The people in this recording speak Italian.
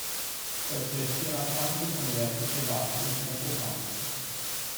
Può essere schierato anche come vertice basso di centrocampo.